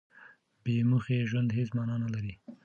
بې موخې ژوند هېڅ مانا نه لري.